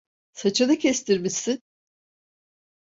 Saçını kestirmişsin.